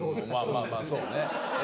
まあまあそうね